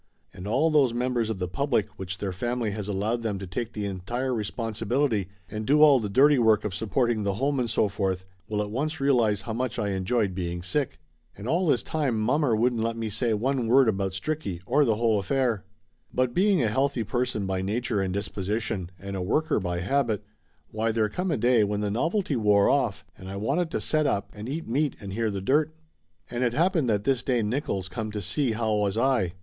And all those members of the public which their family has allowed them to take the entire responsibility and do all the dirty work of supporting the home and so forth, will at once realize how much I enjoyed being sick. And all this time 318 Laughter Limited 319 mommer wouldn't let me say one word about Stricky, or the whole affair. But being a healthy person by nature and disposition, and a worker by habit, why there come a day when the novelty wore off and I wanted to set up and eat meat and hear the dirt. And it happened that this day Nick oils come to see how was I.